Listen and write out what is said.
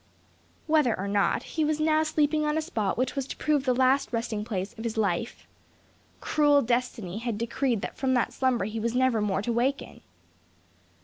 Whether or not, he was now sleeping on a spot which was to prove the last resting place of his life. Cruel destiny had decreed that from that slumber he was never more to awaken!